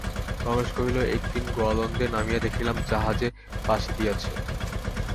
রমেশ কহিল, একদিন গোয়ালন্দে নামিয়া দেখিলাম, জাহাজে বাঁশি দিয়াছে।